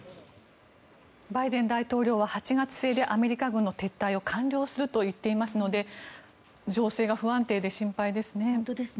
バイデン大統領は８月末でアメリカ軍の撤退を完了すると言っていますので情勢が不安定で心配ですね。